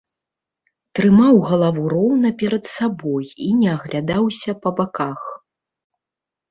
Трымаў галаву роўна перад сабой і не аглядаўся па баках.